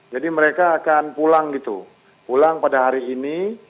jadi mereka akan pulang gitu pulang pada hari ini